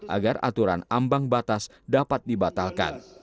agar aturan ambang batas dapat dibatalkan